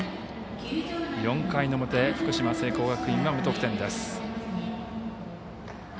４回の表、福島、聖光学院は無得点です。